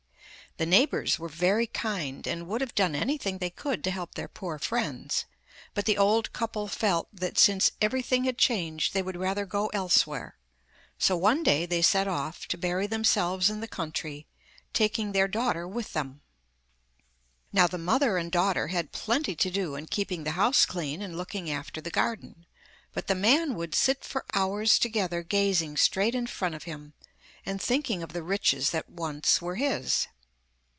The neighbours were very kind, and would have done anything they could to help their poor friends, but the old couple felt that since everything had changed they would rather go elsewhere, so one day they set off to bury themselves in the country, taking their daughter with them. Now the mother and daughter had plenty to do in keeping the house clean and looking after the garden, but the man would sit for hours together gazing straight in front of him, and thinking of the riches that once were his.